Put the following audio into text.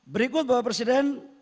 berikut bapak presiden